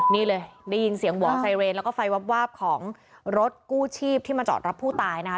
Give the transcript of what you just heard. นี่เลยได้ยินเสียงหวอไซเรนแล้วก็ไฟวาบของรถกู้ชีพที่มาจอดรับผู้ตายนะคะ